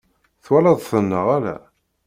Twalaḍ-ten neɣ ala?